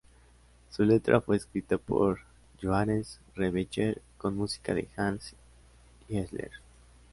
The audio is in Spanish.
Su letra fue escrita por Johannes R. Becher con música de Hanns Eisler.